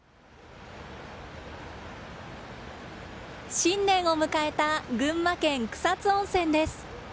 新年を迎えた群馬県草津温泉です。